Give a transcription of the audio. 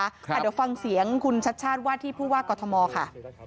อาจจะฟังเสียงคุณชัชชาติวาทิพุวากกอทมค่ะ